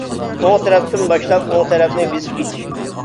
ئوڭ تەرەپتىن باشلاپ، ئوڭ تەرەپنى بېسىپ يېتىش.